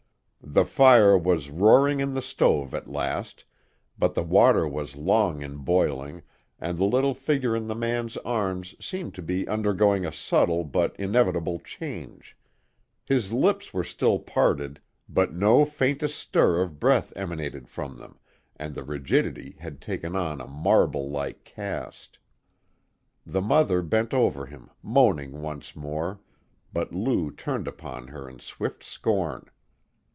The fire was roaring in the stove at last, but the water was long in boiling, and the little figure in the man's arms seemed to be undergoing a subtle but inevitable change. His lips were still parted, but no faintest stir of breath emanated from them, and the rigidity had taken on a marble like cast. The mother bent over him, moaning once more, but Lou turned upon her in swift scorn.